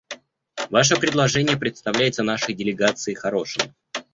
Ваше предложение представляется нашей делегации хорошим.